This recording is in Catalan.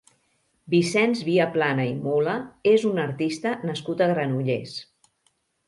Vicenç Viaplana i Mula és un artista nascut a Granollers.